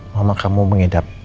mama kamu mengidap